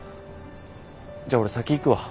じゃあ俺先行くわ。